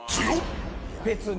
別に。